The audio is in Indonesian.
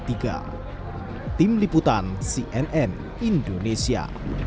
tim liputan cnn indonesia